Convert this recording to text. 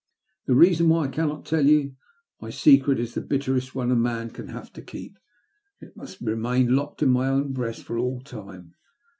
The reason why I cannot tell you. My secret is the bitterest one a man can have to keep, and it must remain locked in my own breast for all time.